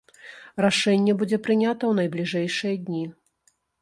Рашэнне будзе прынята ў найбліжэйшыя дні!